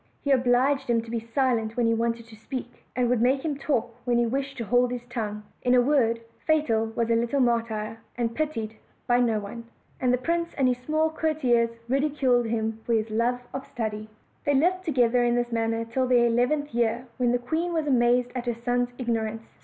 He obliged him to be silent when he wanted to speak, and would make him talk when he wished to hold his tongue; in a word, Fatal was a little martyr, and pitied by no one. And the prince and his small courtiers ridiculed him for his love of study. 116 OLD, OLD FAIRY TALES. They lived together in this manner till their eleventh year, when the queen was amazed at her son's ignorance.